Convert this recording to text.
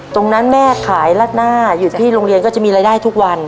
แม่ขายราดหน้าอยู่ที่โรงเรียนก็จะมีรายได้ทุกวัน